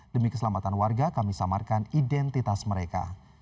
demi keselamatan warga kami samarkan identitas mereka